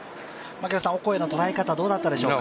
オコエの捉え方、どうだったでしょうか。